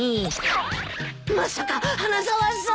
まさか花沢さん！？